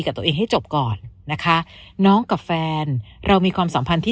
กับตัวเองให้จบก่อนนะคะน้องกับแฟนเรามีความสัมพันธ์ที่